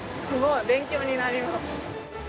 すごい勉強になります。